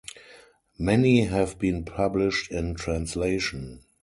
Many have been published in translation.